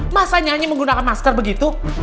masa nyanyi menggunakan masker begitu